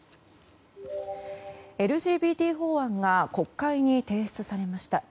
ＬＧＢＴ法案が国会に提出されました。